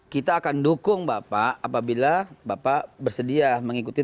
kita akan dukung bapak apabila bapak bersedia mengikuti tujuh belas poin